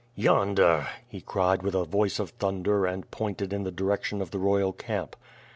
"Yonder," he cried with a voice of thunder and pointed in the direction of the royal camp.